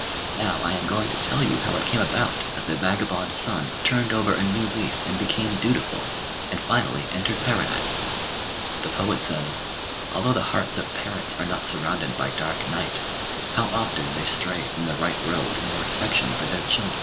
Now, I am going to tell you how it came about that the vagabond son turned over a new leaf and became dutiful, and finally entered paradise. The poet says, "Although the hearts of parents are not surrounded by dark night, how often they stray from the right road in their affection for their children!"